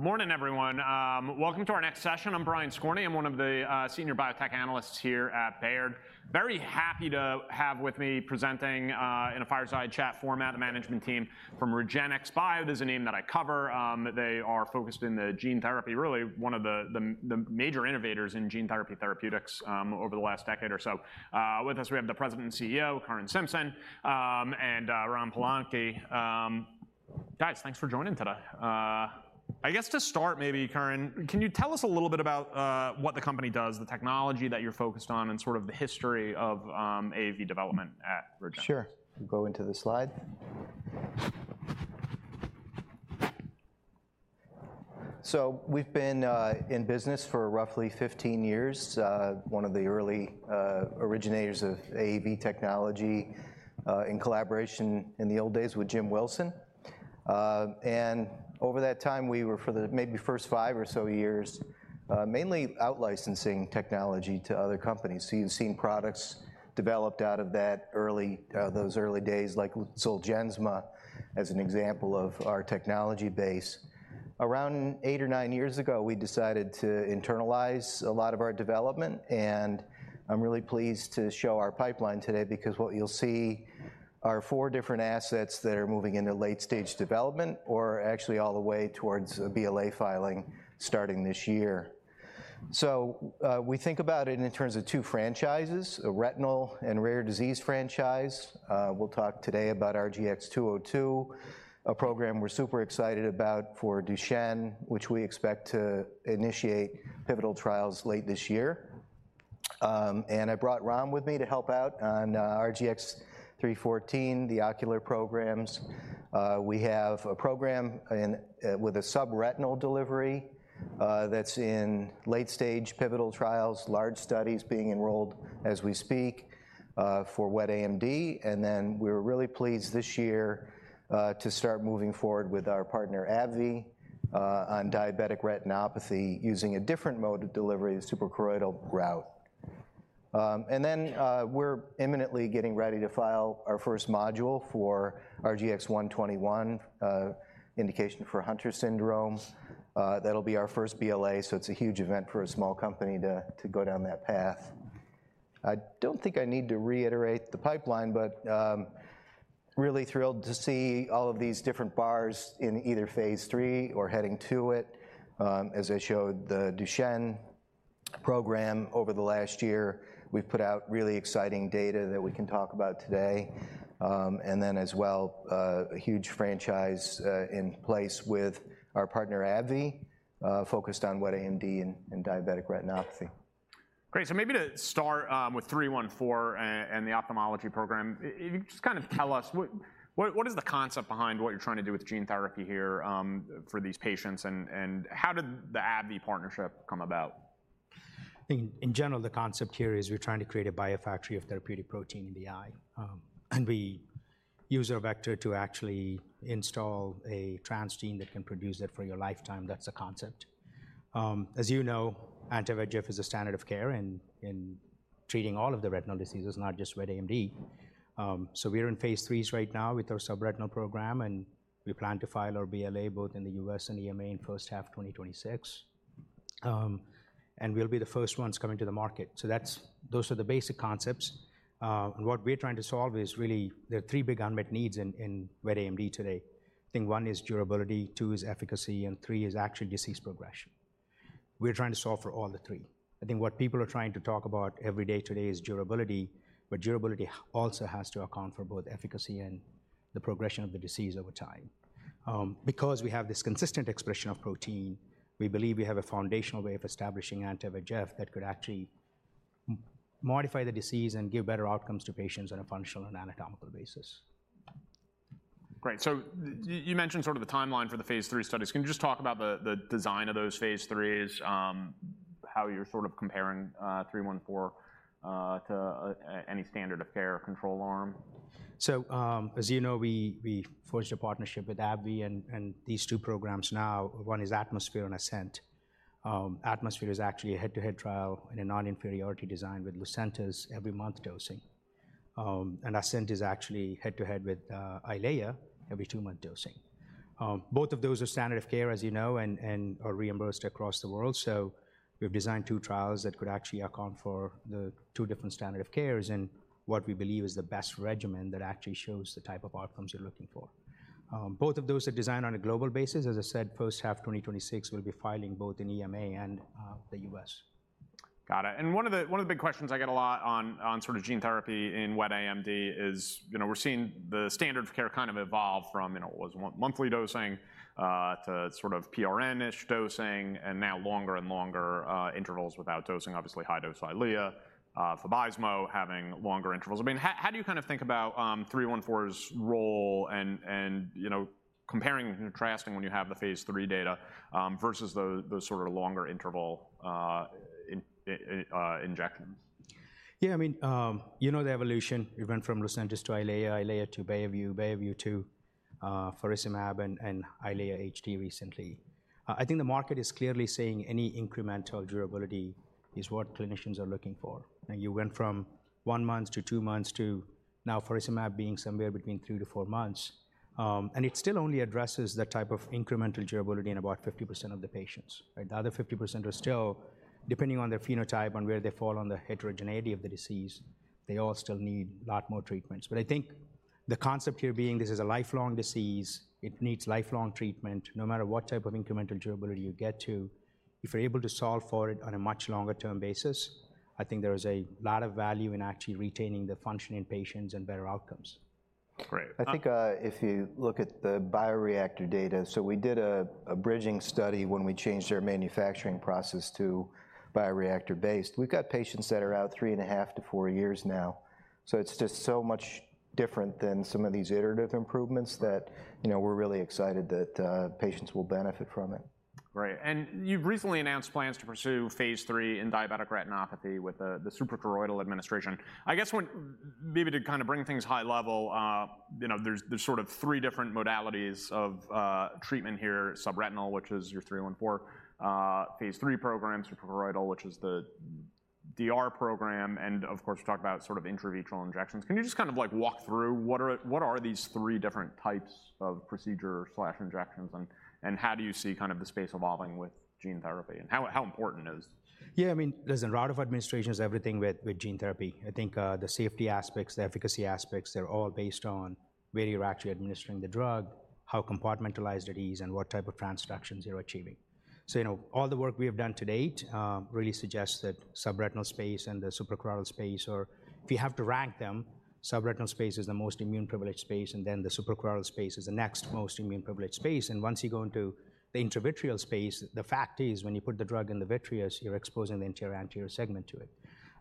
Morning, everyone. Welcome to our next session. I'm Brian Skorney. I'm one of the senior biotech analysts here at Baird. Very happy to have with me presenting in a fireside chat format, the management team from REGENXBIO. This is a name that I cover. They are focused in the gene therapy, really one of the major innovators in gene therapy therapeutics over the last decade or so. With us, we have the President and CEO, Curran Simpson, and Ram Palanki. Guys, thanks for joining today. I guess to start, maybe Curran, can you tell us a little bit about what the company does, the technology that you're focused on, and sort of the history of AAV development at REGENXBIO? Sure. Go into the slide. So we've been in business for roughly fifteen years. One of the early originators of AAV technology, in collaboration in the old days with Jim Wilson. And over that time we were, for the maybe first five or so years, mainly out licensing technology to other companies. So you've seen products developed out of that early, those early days, like Zolgensma, as an example of our technology base. Around eight or nine years ago, we decided to internalize a lot of our development, and I'm really pleased to show our pipeline today because what you'll see are four different assets that are moving into late stage development, or actually all the way towards a BLA filing starting this year. We think about it in terms of two franchises, a retinal and rare disease franchise. We'll talk today about RGX-202, a program we're super excited about for Duchenne, which we expect to initiate pivotal trials late this year, and I brought Ram with me to help out on RGX-314, the ocular programs. We have a program with a subretinal delivery that's in late stage pivotal trials, large studies being enrolled as we speak for wet AMD, and then we're really pleased this year to start moving forward with our partner, AbbVie, on diabetic retinopathy, using a different mode of delivery, the suprachoroidal route, and then we're imminently getting ready to file our first module for RGX-121, indication for Hunter syndrome. That'll be our first BLA, so it's a huge event for a small company to go down that path. I don't think I need to reiterate the pipeline, but really thrilled to see all of these different bars in either phase III or heading to it. As I showed the Duchenne program over the last year, we've put out really exciting data that we can talk about today, and then as well, a huge franchise in place with our partner, AbbVie, focused on wet AMD and diabetic retinopathy. Great. So maybe to start with 314 and the ophthalmology program, I just kind of tell us what is the concept behind what you're trying to do with gene therapy here for these patients, and how did the AbbVie partnership come about? In general, the concept here is we're trying to create a biofactory of therapeutic protein in the eye, and we use our vector to actually install a transgene that can produce it for your lifetime. That's the concept. As you know, anti-VEGF is a standard of care in treating all of the retinal diseases, not just wet AMD, so we're in phase III right now with our subretinal program, and we plan to file our BLA both in the U.S. and EMA in first half 2026, and we'll be the first ones coming to the market, so those are the basic concepts, and what we're trying to solve is really, there are three big unmet needs in wet AMD today. I think one is durability, two is efficacy, and three is actually disease progression. We're trying to solve for all the three. I think what people are trying to talk about every day today is durability, but durability also has to account for both efficacy and the progression of the disease over time. Because we have this consistent expression of protein, we believe we have a foundational way of establishing anti-VEGF that could actually modify the disease and give better outcomes to patients on a functional and anatomical basis. Great, so you mentioned sort of the timeline for the phase III studies. Can you just talk about the design of those phase IIIs, how you're sort of comparing 314 to any standard of care or control arm? So, as you know, we forged a partnership with AbbVie, and these two programs now, one is ATMOSPHERE and ASCENT. ATMOSPHERE is actually a head-to-head trial in a non-inferiority design with Lucentis every month dosing. And ASCENT is actually head-to-head with Eylea, every two-month dosing. Both of those are standard of care, as you know, and are reimbursed across the world. So we've designed two trials that could actually account for the two different standard of cares and what we believe is the best regimen that actually shows the type of outcomes you're looking for. Both of those are designed on a global basis. As I said, first half 2026, we'll be filing both in EMA and the U.S. Got it, and one of the big questions I get a lot on sort of gene therapy in wet AMD is, you know, we're seeing the standard of care kind of evolve from, you know, it was monthly dosing to sort of PRN-ish dosing, and now longer and longer intervals without dosing, obviously, high-dose Eylea, Vabysmo having longer intervals. I mean, how do you kind of think about 314's role and, you know, comparing and contrasting when you have the phase III data versus the sort of longer interval injections? Yeah, I mean, you know, the evolution, we went from Lucentis to Eylea, Eylea to Beovu, Beovu to faricimab and Eylea HD recently. I think the market is clearly saying any incremental durability is what clinicians are looking for, and you went from one month to two months to now faricimab being somewhere between three to four months. And it still only addresses the type of incremental durability in about 50% of the patients, right? The other 50% are still depending on their phenotype and where they fall on the heterogeneity of the disease, they all still need a lot more treatments. But I think the concept here being this is a lifelong disease, it needs lifelong treatment, no matter what type of incremental durability you get to. If you're able to solve for it on a much longer term basis, I think there is a lot of value in actually retaining the function in patients and better outcomes. Great. I think, if you look at the bioreactor data, so we did a bridging study when we changed our manufacturing process to bioreactor-based. We've got patients that are out three and a half to four years now, so it's just so much different than some of these iterative improvements that, you know, we're really excited that patients will benefit from it. Right. And you've recently announced plans to pursue phase III in diabetic retinopathy with the suprachoroidal administration. I guess maybe to kind of bring things high level, you know, there's sort of three different modalities of treatment here: subretinal, which is your 314, phase III program, suprachoroidal, which is the DR program; and of course, you talked about sort of intravitreal injections. Can you just kind of like walk through what are these three different types of procedure/injections, and how do you see kind of the space evolving with gene therapy, and how important it is? Yeah, I mean, listen, route of administration is everything with gene therapy. I think, the safety aspects, the efficacy aspects, they're all based on where you're actually administering the drug, how compartmentalized it is, and what type of transductions you're achieving. So, you know, all the work we have done to date really suggests that subretinal space and the suprachoroidal space are... If you have to rank them, subretinal space is the most immune privileged space, and then the suprachoroidal space is the next most immune privileged space, and once you go into the intravitreal space, the fact is when you put the drug in the vitreous, you're exposing the entire anterior segment to it.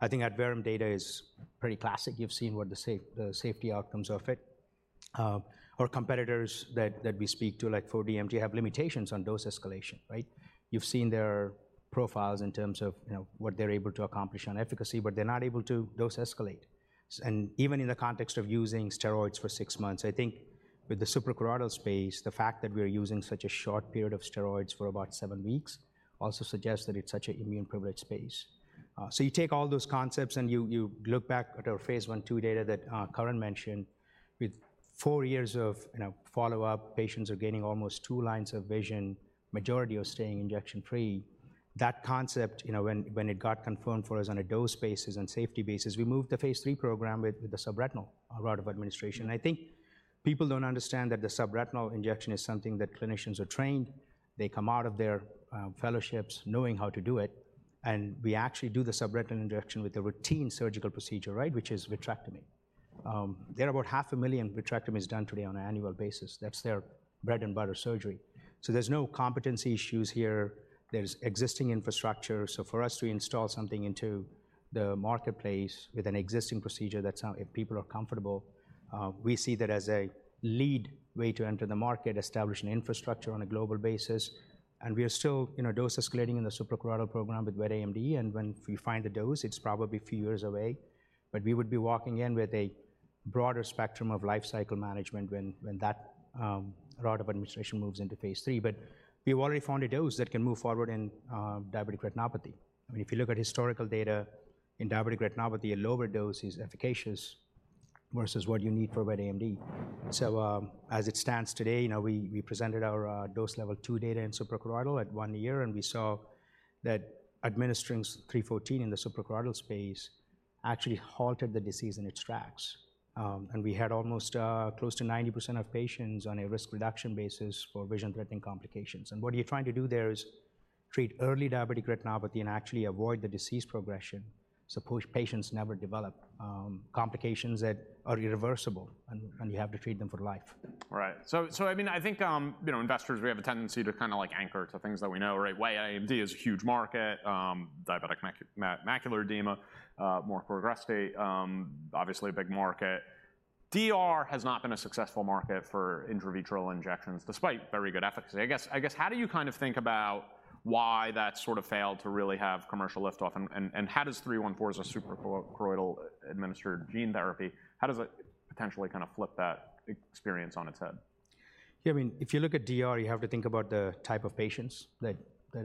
I think Adverum data is pretty classic. You've seen what the safety outcomes of it, our competitors that we speak to, like for DMD, have limitations on dose escalation, right? You've seen their profiles in terms of, you know, what they're able to accomplish on efficacy, but they're not able to dose escalate. And even in the context of using steroids for six months, I think with the suprachoroidal space, the fact that we're using such a short period of steroids for about seven weeks also suggests that it's such an immune privileged space. So you take all those concepts and you look back at our phase I/II data that Curran mentioned, with four years of, you know, follow-up, patients are gaining almost two lines of vision, majority are staying injection free. That concept, you know, when it got confirmed for us on a dose basis and safety basis, we moved the phase III program with the subretinal route of administration. I think people don't understand that the subretinal injection is something that clinicians are trained. They come out of their fellowships knowing how to do it, and we actually do the subretinal injection with a routine surgical procedure, right? Which is vitrectomy. There are about 500,000 vitrectomies done today on an annual basis. That's their bread-and-butter surgery. So there's no competency issues here. There's existing infrastructure. So for us to install something into the marketplace with an existing procedure, that's how people are comfortable, we see that as a leeway to enter the market, establish an infrastructure on a global basis. We are still, you know, dose escalating in the suprachoroidal program with wet AMD, and when we find the dose, it's probably a few years away. We would be walking in with a broader spectrum of life cycle management when that route of administration moves into phase III. We've already found a dose that can move forward in diabetic retinopathy. I mean, if you look at historical data in diabetic retinopathy, a lower dose is efficacious versus what you need for wet AMD. As it stands today, you know, we presented our dose level two data in suprachoroidal at one year, and we saw that administering 314 in the suprachoroidal space actually halted the disease in its tracks. We had almost close to 90% of patients on a risk reduction basis for vision-threatening complications. What you're trying to do there is treat early Diabetic Retinopathy and actually avoid the disease progression, so patients never develop complications that are irreversible, and you have to treat them for life. Right. So, I mean, I think, you know, investors, we have a tendency to kind of like anchor to things that we know, right? Wet AMD is a huge market, diabetic macular edema, more progressed state, obviously a big market. DR has not been a successful market for intravitreal injections, despite very good efficacy. I guess, how do you kind of think about why that sort of failed to really have commercial liftoff? And how does 314 as a suprachoroidal administered gene therapy, how does it potentially kind of flip that experience on its head? Yeah, I mean, if you look at DR, you have to think about the type of patients that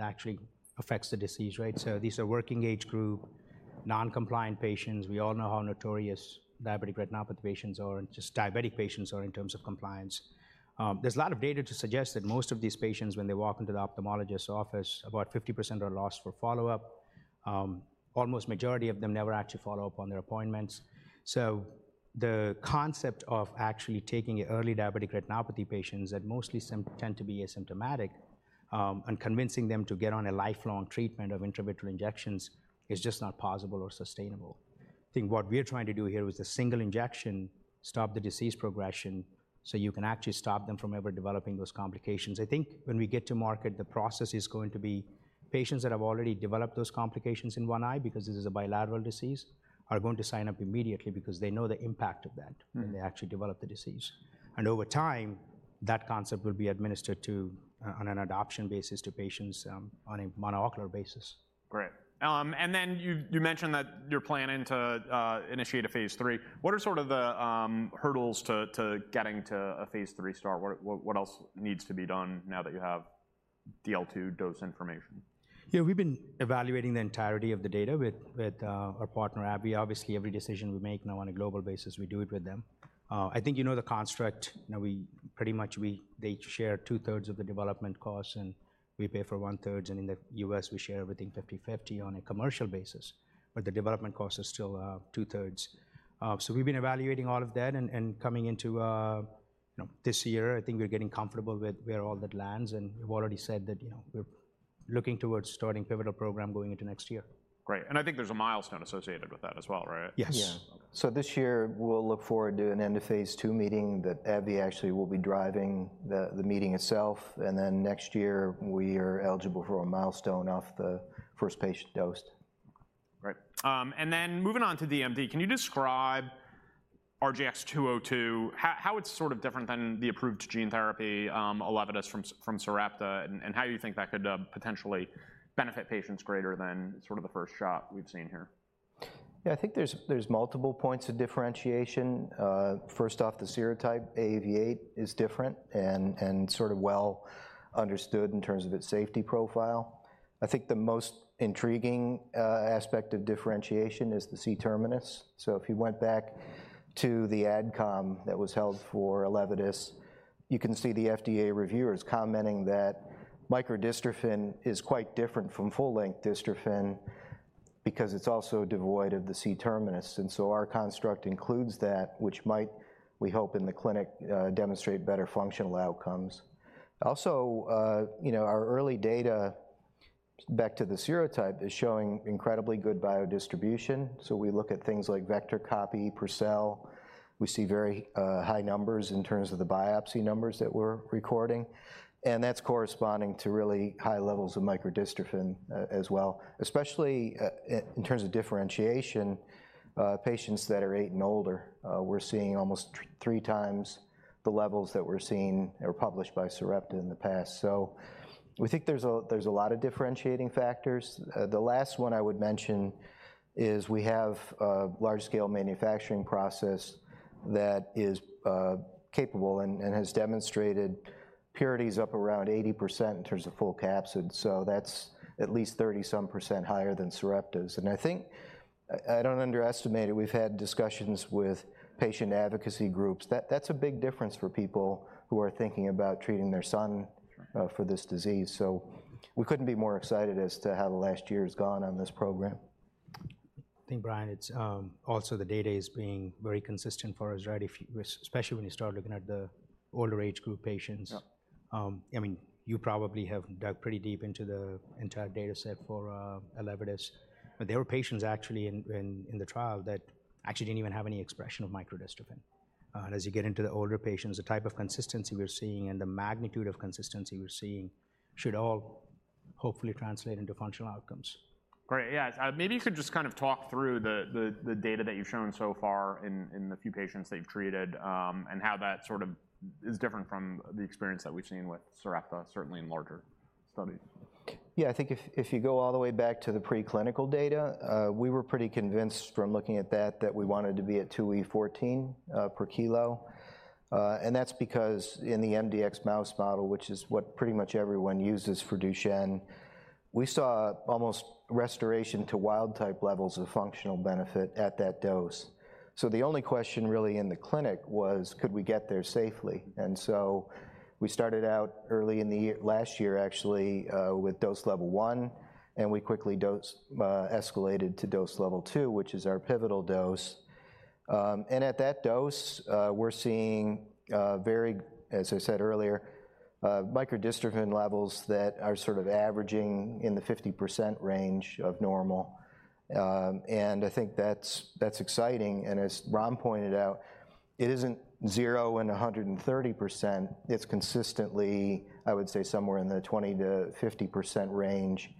actually affects the disease, right? So these are working age group, non-compliant patients. We all know how notorious diabetic retinopathy patients are, and just diabetic patients are in terms of compliance. There's a lot of data to suggest that most of these patients, when they walk into the ophthalmologist's office, about 50% are lost to follow-up. Almost majority of them never actually follow up on their appointments. So the concept of actually taking early diabetic retinopathy patients that mostly tend to be asymptomatic, and convincing them to get on a lifelong treatment of intravitreal injections is just not possible or sustainable. I think what we're trying to do here is a single injection, stop the disease progression, so you can actually stop them from ever developing those complications. I think when we get to market, the process is going to be patients that have already developed those complications in one eye, because this is a bilateral disease, are going to sign up immediately because they know the impact of that. when they actually develop the disease. And over time, that concept will be administered to, on an adoption basis to patients, on a monocular basis. Great, and then you mentioned that you're planning to initiate a phase III. What are sort of the hurdles to getting to a phase III start? What else needs to be done now that you have DL2 dose information? Yeah, we've been evaluating the entirety of the data with our partner, AbbVie. Obviously, every decision we make now on a global basis, we do it with them. I think you know the construct. You know, we pretty much. They share two thirds of the development costs, and we pay for one third, and in the U.S., we share everything fifty-fifty on a commercial basis, but the development cost is still two thirds. So we've been evaluating all of that, and coming into, you know, this year, I think we're getting comfortable with where all that lands, and we've already said that, you know, we're looking towards starting pivotal program going into next year. Great, and I think there's a milestone associated with that as well, right? Yes. Yeah.So this year, we'll look forward to an end of phase II meeting that AbbVie actually will be driving, the meeting itself, and then next year, we are eligible for a milestone off the first patient dosed. Great. And then moving on to DMD, can you describe RGX-202, how it's sort of different than the approved gene therapy, Elevidys from Sarepta, and how you think that could potentially benefit patients greater than sort of the first shot we've seen here? Yeah, I think there's multiple points of differentiation. First off, the serotype AAV8 is different and sort of well understood in terms of its safety profile. I think the most intriguing aspect of differentiation is the C-terminus. So if you went back to the AdCom that was held for Elevidys, you can see the FDA reviewers commenting that microdystrophin is quite different from full-length dystrophin because it's also devoid of the C-terminus, and so our construct includes that, which might, we hope, in the clinic, demonstrate better functional outcomes. Also, you know, our early data, back to the serotype, is showing incredibly good biodistribution, so we look at things like vector copy per cell. We see very high numbers in terms of the biopsy numbers that we're recording, and that's corresponding to really high levels of microdystrophin as well, especially in terms of differentiation, patients that are eight and older, we're seeing almost three times the levels that we're seeing or published by Sarepta in the past. So we think there's a lot of differentiating factors. The last one I would mention is we have a large-scale manufacturing process that is capable and has demonstrated purities up around 80% in terms of full capsid, so that's at least thirty-some percent higher than Sarepta's. And I think I don't underestimate it. We've had discussions with patient advocacy groups. That's a big difference for people who are thinking about treating their son for this disease. So we couldn't be more excited as to how the last year's gone on this program. I think, Brian, it's also the data is being very consistent for us, right? If especially when you start looking at the older age group patients. Yep. I mean, you probably have dug pretty deep into the entire data set for Elevidys, but there were patients actually in the trial that actually didn't even have any expression of microdystrophin. As you get into the older patients, the type of consistency we're seeing and the magnitude of consistency we're seeing should all hopefully translate into functional outcomes. Great. Yeah, maybe you could just kind of talk through the data that you've shown so far in the few patients that you've treated, and how that sort of is different from the experience that we've seen with Sarepta, certainly in larger studies. Yeah, I think if, if you go all the way back to the preclinical data, we were pretty convinced from looking at that, that we wanted to be at 2E14 per kilo. And that's because in the MDX mouse model, which is what pretty much everyone uses for Duchenne, we saw almost restoration to wild-type levels of functional benefit at that dose. So the only question really in the clinic was: Could we get there safely? And so we started out early in the year, last year actually, with dose level one, and we quickly dose escalated to dose level two, which is our pivotal dose. And at that dose, we're seeing very, as I said earlier, microdystrophin levels that are sort of averaging in the 50% range of normal. And I think that's, that's exciting, and as Ram pointed out, it isn't zero and 130%. It's consistently, I would say, somewhere in the 20%-50% range.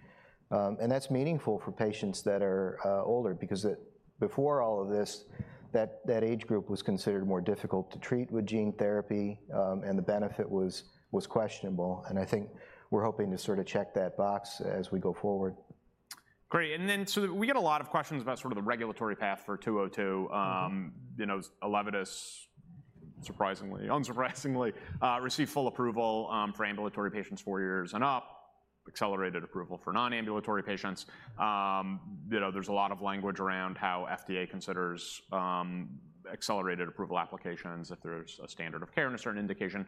And that's meaningful for patients that are older because it... Before all of this, that, that age group was considered more difficult to treat with gene therapy, and the benefit was, was questionable, and I think we're hoping to sort of check that box as we go forward. Great, and then so we get a lot of questions about sort of the regulatory path for 202. You know, Elevidys, surprisingly, unsurprisingly, received full approval for ambulatory patients four years and up, accelerated approval for non-ambulatory patients. you know, there's a lot of language around how FDA considers accelerated approval applications if there's a standard of care in a certain indication.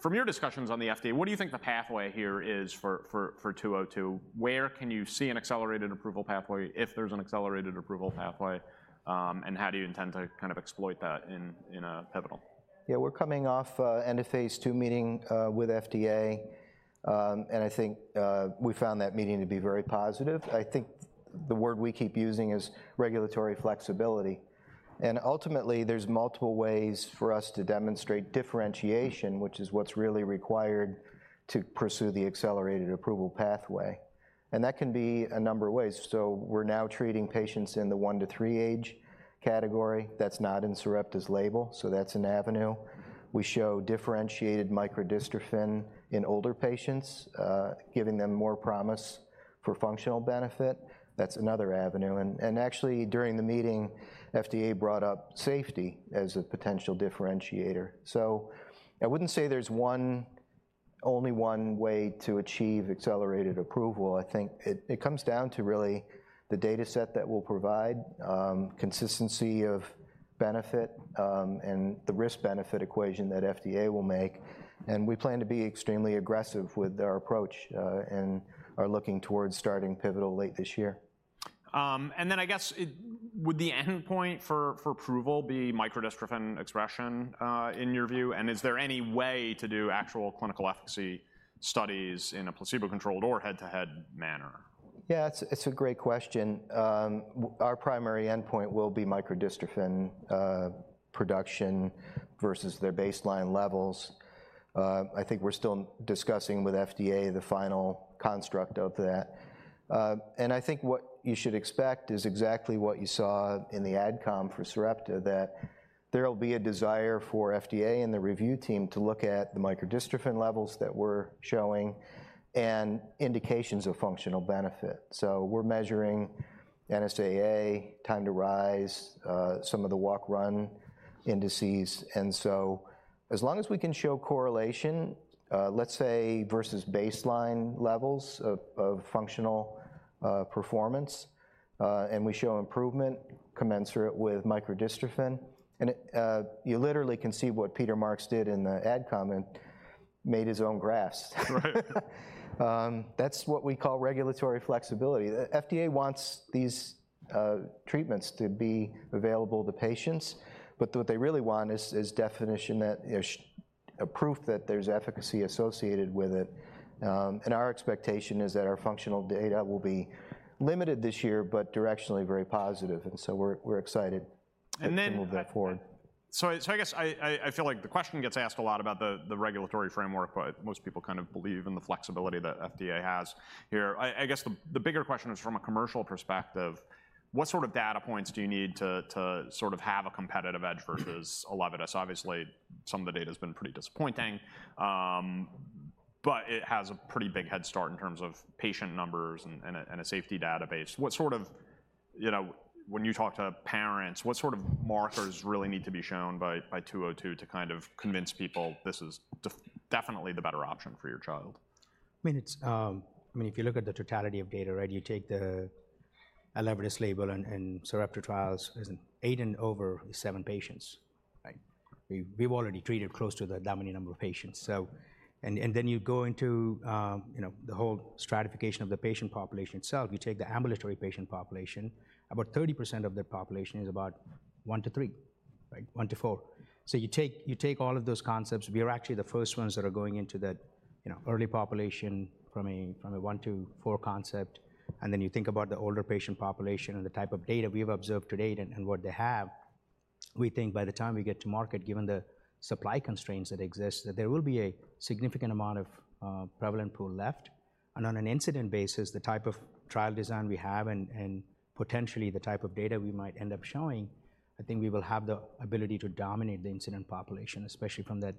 From your discussions on the FDA, what do you think the pathway here is for 202? Where can you see an accelerated approval pathway, if there's an accelerated approval pathway, and how do you intend to kind of exploit that in a pivotal? Yeah, we're coming off an end of phase II meeting with FDA, and I think we found that meeting to be very positive. I think the word we keep using is regulatory flexibility. And ultimately, there's multiple ways for us to demonstrate differentiation, which is what's really required to pursue the accelerated approval pathway, and that can be a number of ways. So we're now treating patients in the one to three age category. That's not in Sarepta's label, so that's an avenue. We show differentiated microdystrophin in older patients, giving them more promise for functional benefit. That's another avenue, and actually, during the meeting, FDA brought up safety as a potential differentiator. So I wouldn't say there's only one way to achieve accelerated approval. I think it comes down to really the data set that we'll provide, consistency of benefit, and the risk-benefit equation that FDA will make, and we plan to be extremely aggressive with our approach, and are looking towards starting pivotal late this year. And then I guess. Would the endpoint for approval be microdystrophin expression, in your view? And is there any way to do actual clinical efficacy studies in a placebo-controlled or head-to-head manner? Yeah, it's a great question. Our primary endpoint will be microdystrophin production versus their baseline levels. I think we're still discussing with FDA the final construct of that, and I think what you should expect is exactly what you saw in the AdCom for Sarepta, that there'll be a desire for FDA and the review team to look at the microdystrophin levels that we're showing and indications of functional benefit, so we're measuring NSAA, time to rise, some of the walk/run indices, and so as long as we can show correlation, let's say, versus baseline levels of functional performance, and we show improvement commensurate with microdystrophin, and it. You literally can see what Peter Marks did in the AdCom and made his own graphs. Right. That's what we call regulatory flexibility. The FDA wants these treatments to be available to patients, but what they really want is definition that there's proof that there's efficacy associated with it. Our expectation is that our functional data will be limited this year, but directionally very positive, and so we're excited- And then- - to move that forward. So I guess I feel like the question gets asked a lot about the regulatory framework, but most people kind of believe in the flexibility that FDA has here. I guess the bigger question is from a commercial perspective, what sort of data points do you need to sort of have a competitive edge versus Elevidys? Obviously, some of the data's been pretty disappointing, but it has a pretty big head start in terms of patient numbers and a safety database. What sort of, you know, when you talk to parents, what sort of markers really need to be shown by 202 to kind of convince people this is definitely the better option for your child? I mean, if you look at the totality of data, right? You take the Elevidys label and Sarepta trials, there's eight and over seven patients, right? We've already treated close to that many number of patients, so. And then you go into, you know, the whole stratification of the patient population itself. You take the ambulatory patient population, about 30% of the population is about one to three, right? One to four. So you take, you take all of those concepts, we are actually the first ones that are going into that, you know, early population from a one to four concept, and then you think about the older patient population and the type of data we have observed to date and what they have, we think by the time we get to market, given the supply constraints that exist, that there will be a significant amount of prevalent pool left. And on an incident basis, the type of trial design we have and potentially the type of data we might end up showing, I think we will have the ability to dominate the incident population, especially from that,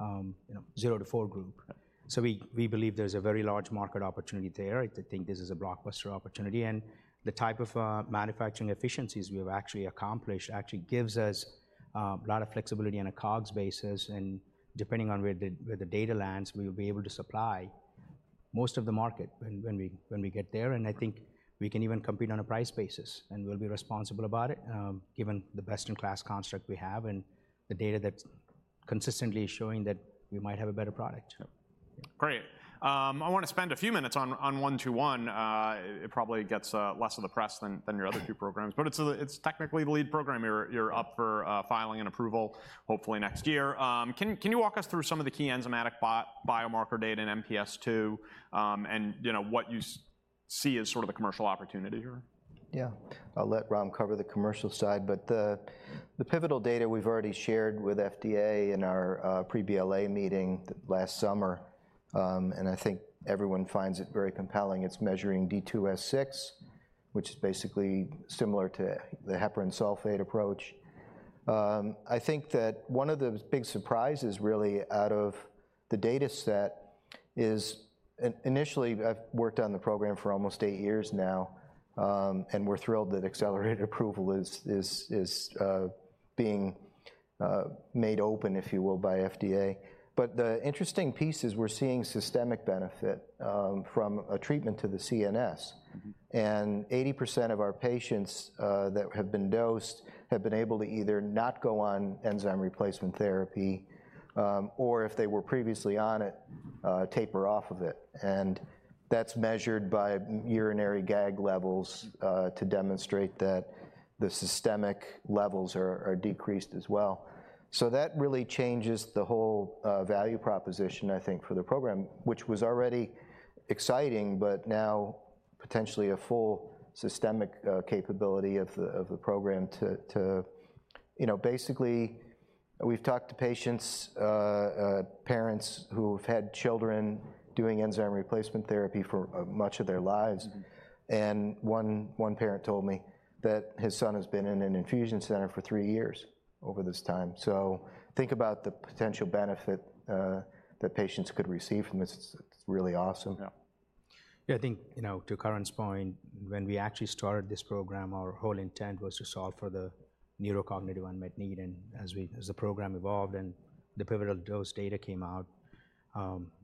you know, zero to four group. Right. We believe there's a very large market opportunity there. I think this is a blockbuster opportunity, and the type of manufacturing efficiencies we have actually accomplished gives us a lot of flexibility on a COGS basis, and depending on where the data lands, we will be able to supply most of the market when we get there. I think we can even compete on a price basis, and we'll be responsible about it, given the best-in-class construct we have and the data that's consistently showing that we might have a better product. Sure. Great. I want to spend a few minutes on 121. It probably gets less of the press than your other two programs, but it's technically the lead program. You're up for filing an approval hopefully next year. Can you walk us through some of the key enzymatic biomarker data in MPS II, and, you know, what you see as sort of the commercial opportunity here? Yeah. I'll let Ram cover the commercial side, but the pivotal data we've already shared with FDA in our pre-BLA meeting last summer, and I think everyone finds it very compelling. It's measuring D2S6, which is basically similar to the heparan sulfate approach. I think that one of the big surprises, really, out of the data set is initially, I've worked on the program for almost eight years now, and we're thrilled that accelerated approval is being made open, if you will, by FDA. But the interesting piece is we're seeing systemic benefit from a treatment to the CNS. 80% of our patients that have been dosed have been able to either not go on enzyme replacement therapy, or if they were previously on it, taper off of it, and that's measured by urinary GAG levels to demonstrate that the systemic levels are decreased as well. So that really changes the whole value proposition, I think, for the program, which was already exciting, but now potentially a full systemic capability of the program to, you know, basically, we've talked to patients, parents who have had children doing enzyme replacement therapy for much of their lives. One parent told me that his son has been in an infusion center for three years over this time. So think about the potential benefit that patients could receive from this. It's really awesome. Yeah. Yeah, I think, you know, to Curran's point, when we actually started this program, our whole intent was to solve for the neurocognitive unmet need. And as the program evolved and the pivotal dose data came out,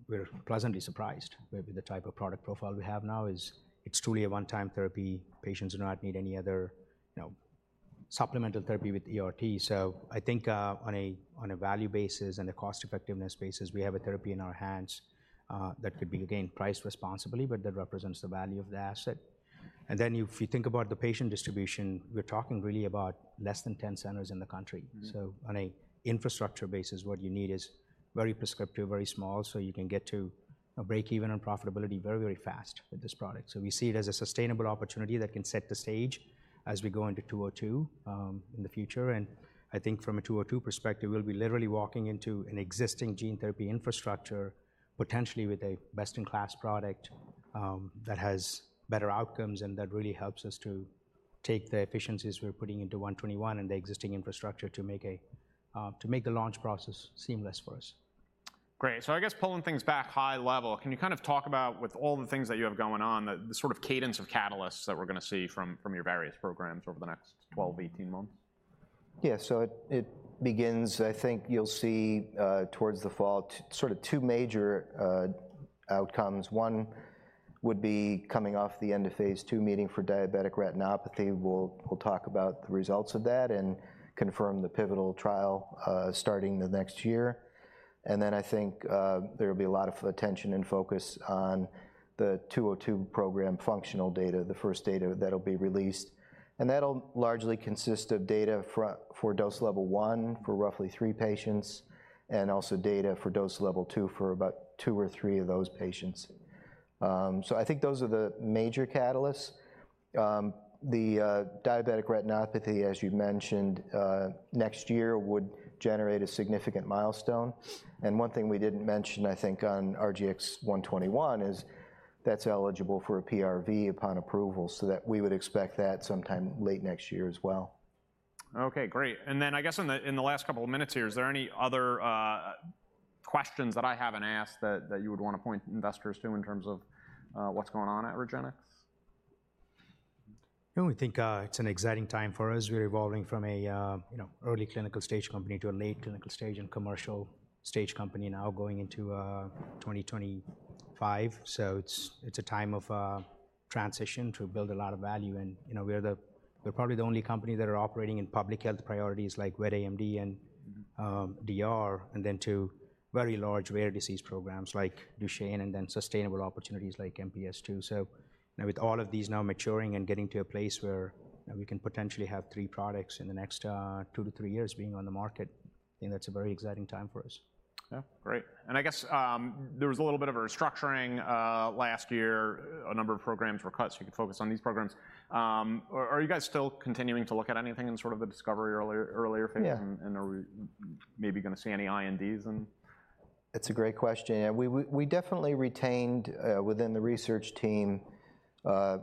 we were pleasantly surprised with the type of product profile we have now is it's truly a one-time therapy. Patients do not need any other, you know, supplemental therapy with ERT. So I think, on a value basis and a cost-effectiveness basis, we have a therapy in our hands that could be, again, priced responsibly, but that represents the value of the asset. And then if you think about the patient distribution, we're talking really about less than 10 centers in the country. So on a infrastructure basis, what you need is very prescriptive, very small, so you can get to a break-even on profitability very, very fast with this product. So we see it as a sustainable opportunity that can set the stage as we go into 202, in the future, and I think from a 202 perspective, we'll be literally walking into an existing gene therapy infrastructure, potentially with a best-in-class product, that has better outcomes, and that really helps us to take the efficiencies we're putting into 121 and the existing infrastructure to make the launch process seamless for us. Great, so I guess pulling things back high level, can you kind of talk about, with all the things that you have going on, the sort of cadence of catalysts that we're gonna see from your various programs over the next 12-18 months? Yeah. So it begins. I think you'll see, towards the fall, sort of two major outcomes. One would be coming off the end of phase II meeting for diabetic retinopathy. We'll talk about the results of that and confirm the pivotal trial starting the next year. And then I think there will be a lot of attention and focus on the 202 program functional data, the first data that'll be released, and that'll largely consist of data for dose level one for roughly three patients, and also data for dose level two for about two or three of those patients. So I think those are the major catalysts. The diabetic retinopathy, as you mentioned, next year would generate a significant milestone. One thing we didn't mention, I think, on RGX-121 is that's eligible for a PRV upon approval, so that we would expect that sometime late next year as well. Okay, great. And then I guess in the last couple of minutes here, is there any other questions that I haven't asked that you would want to point investors to in terms of what's going on at REGENXBIO? No, I think it's an exciting time for us. We're evolving from a, you know, early clinical stage company to a late clinical stage and commercial stage company now going into 2025. So it's a time of transition to build a lot of value, and, you know, we're probably the only company that are operating in public health priorities like wet AMD and DR, and then two very large rare disease programs like Duchenne and then sustainable opportunities like MPS II. So, you know, with all of these now maturing and getting to a place where, we can potentially have three products in the next, two to three years being on the market, I think that's a very exciting time for us. Yeah, great. And I guess there was a little bit of a restructuring last year. A number of programs were cut, so you could focus on these programs. Are you guys still continuing to look at anything in sort of the discovery earlier phase? Yeah. Are we maybe gonna see any INDs then? It's a great question. Yeah, we definitely retained within the research team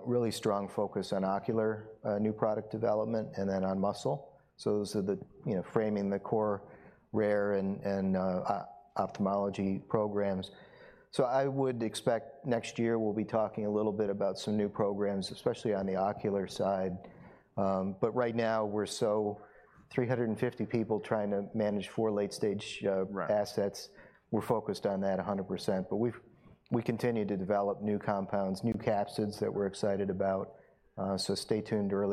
really strong focus on ocular new product development and then on muscle. So those are the, you know, framing the core rare and ophthalmology programs. So I would expect next year we'll be talking a little bit about some new programs, especially on the ocular side. But right now, we're 350 people trying to manage four late-stage assets. We're focused on that 100%, but we continue to develop new compounds, new capsids that we're excited about. So stay tuned early.